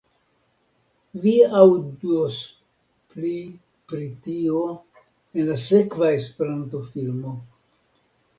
Vi aŭdos pli pri tio en la sekva Esperanto-filmo